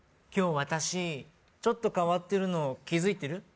今日私ちょっと変わってるの気づいてる？